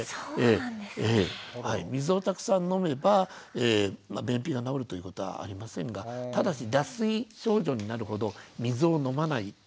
水をたくさん飲めば便秘が治るということはありませんがただし脱水症状になるほど水を飲まないっていうのは問題があります。